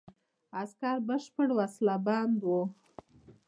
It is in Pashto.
عسکر بشپړ وسله بند وو.